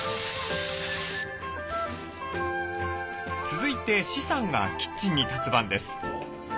続いて施さんがキッチンに立つ番です。